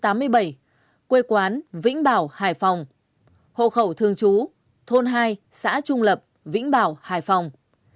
nguyễn huy bách giới tính nam năm sinh một nghìn chín trăm tám mươi bảy quê quán vĩnh bảo hải phòng hộ khẩu thường chú thôn hai xã trung lập vĩnh bảo hải phòng